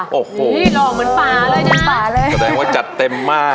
ก็แปลงว่าจัดเต็มมาก